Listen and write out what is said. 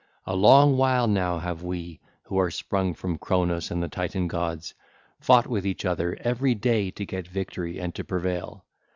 A long while now have we, who are sprung from Cronos and the Titan gods, fought with each other every day to get victory and to prevail.